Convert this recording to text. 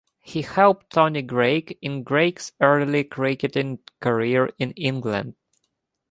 He helped Tony Greig in Greig's early cricketing career in England.